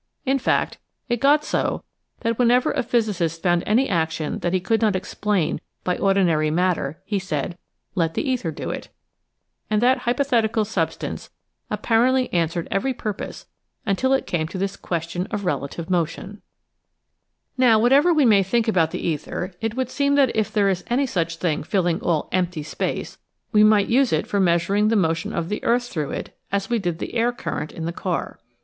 In fact, it got so that whenever a physicist foimd any action that he could not explain by ordinary matter he said :" Let the ether do it," and that hypothetical substance apparently answered every purpose until it came to this question of relative motion. 10 EASY LESSONS IN EINSTEIN Now whatever we may think about the ether it would seem that if there is any such thing filHng all " empty " space we might use it for measuring the motion of the earth through it as we did the air cur rent in the car.